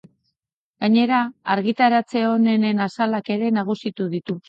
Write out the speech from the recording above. Gainera, argitaratze onenen azalak ere nagusitu ditu.